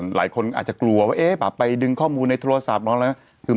หลายคนอาจจะกลัวว่าไปดึงข้อมูลในโทรศัพท์